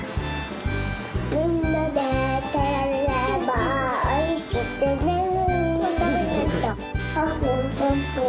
みんなでたべればおいしくなる。